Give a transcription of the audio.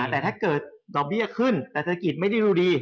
แต่ถ้าเกิดดอกเบี้ยขึ้นเศรษฐกิจไม่ได้ดูดี